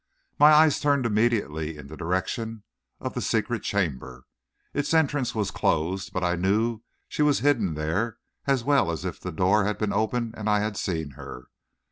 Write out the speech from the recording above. My eyes turned immediately in the direction of the secret chamber. Its entrance was closed, but I knew she was hidden there as well as if the door had been open and I had seen her.